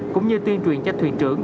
cũng như tuyên truyền cho thuyền trưởng